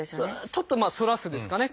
ちょっとまあ「反らす」ですかね。